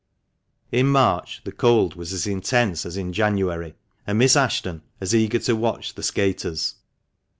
THE MANCHESTER MAN. 273 In March the cold was as intense as in January, and Miss Ashton as eager to watch the skaters.